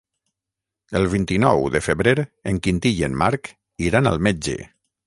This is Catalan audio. El vint-i-nou de febrer en Quintí i en Marc iran al metge.